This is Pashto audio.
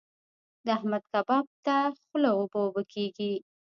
د احمد کباب ته خوله اوبه اوبه کېږي.